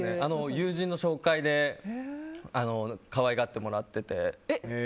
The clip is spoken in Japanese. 友人の紹介で可愛がってもらってて。